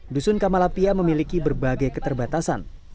dusun kamalapia memiliki berbagai keterbatasan